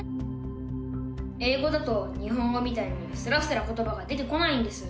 英語だと日本語みたいにすらすらことばが出てこないんです。